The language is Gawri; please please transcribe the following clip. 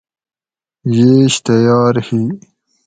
ییش تیار ہی